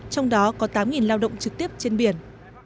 trong đó có tám lao động trực tiếp trên biển